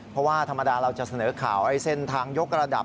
เพราะว่าธรรมดาเราจะเสนอข่าวเส้นทางยกระดับ